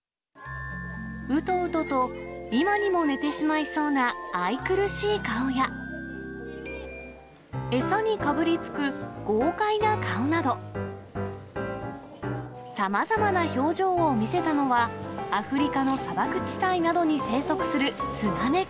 うとうとと今にも寝てしまそうな愛くるしい顔や、餌にかぶりつく豪快な顔など、さまざまな表情を見せたのは、アフリカの砂漠地帯などに生息するスナネコ。